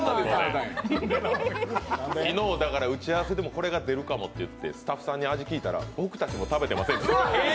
昨日、打ち合わせでも、これが出るからとスタッフさんに味を聞いたら僕たちも食べてませんと。